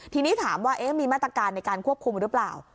ทีนี้ถามว่ามีมาตรการในการควบคุมหรือเปล่า